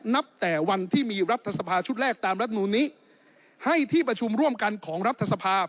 นับแต่วันที่มีรัฐสภาชุดแรกตามรัฐมนูลนี้ให้ที่ประชุมร่วมกันของรัฐสภาพ